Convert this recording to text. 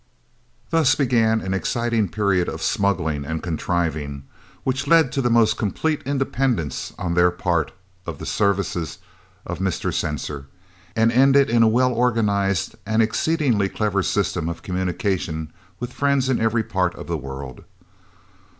Then began an exciting period of smuggling and contriving, which led to the most complete independence on their part of the services of Mr. Censor, and ended in a well organised and exceedingly clever system of communication with friends in every part of the world.